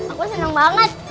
aku senang banget